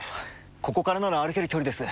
ここからなら歩ける距離です。